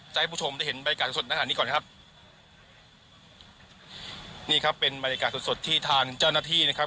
ให้ผู้ชมได้เห็นบรรยากาศสดขนาดนี้ก่อนนะครับนี่ครับเป็นบรรยากาศสดสดที่ทางเจ้าหน้าที่นะครับ